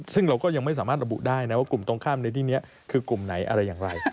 ซึ่งเราก็ยังไม่สามารถระบุได้นะว่ากลุ่มตรงข้ามในที่นี้คือกลุ่มไหนอะไรอย่างไร